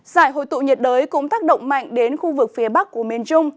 giải hồi tụ nhiệt đới cũng tác động mạnh đến khu vực phía bắc của miền trung